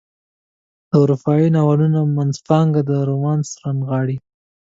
اروپایي ناولونو منځپانګه رومانس رانغاړي.